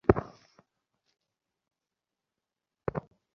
ওহ, ইজিচি মশাই, ওখানে।